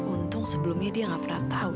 untung sebelumnya dia gak pernah tahu